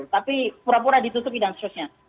tapi pura pura ditutupi dan seterusnya